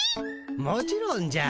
もちろんじゃ。